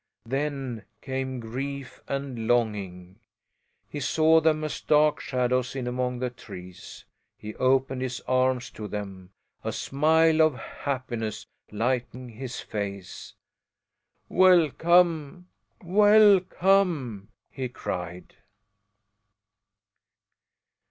Then came grief and longing. He saw them as dark shadows in among the trees. He opened his arms to them, a smile of happiness lighting his face. "Welcome! Welcome!" he cried.